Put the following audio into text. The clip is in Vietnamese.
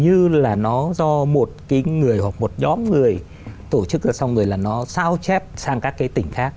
như là nó do một người hoặc một nhóm người tổ chức ra xong rồi là nó sao chép sang các tỉnh khác